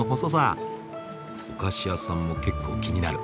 お菓子屋さんも結構気になる。